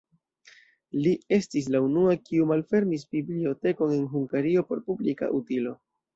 Li estis la unua, kiu malfermis bibliotekon en Hungario por publika utilo.